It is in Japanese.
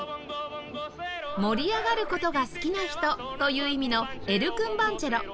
「盛り上がる事が好きな人」という意味の『エル・クンバンチェロ』